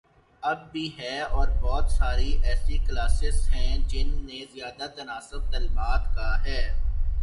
اب بھی ہے اور بہت ساری ایسی کلاسز ہیں جن میں زیادہ تناسب طالبات کا ہے۔